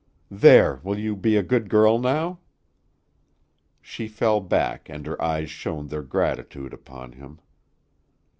There! Will you be a good girl now?" She fell back and her eyes shone their gratitude upon him.